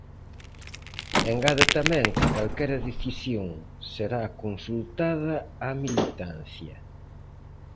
E engade tamén que calquera decisión será consultada á militancia.